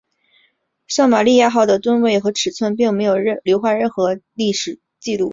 圣玛利亚号的吨位和尺寸并没有留下任何历史记录。